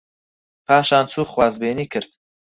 پاشان چوو خوازبێنی کرد